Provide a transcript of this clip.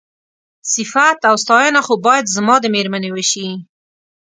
صيفت او ستاينه خو بايد زما د مېرمنې وشي.